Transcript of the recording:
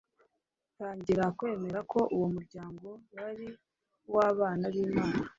batangira kwemera ko uwo muryango wari uw'abana b'imana